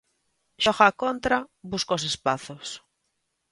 Xoga a contra, busca os espazos.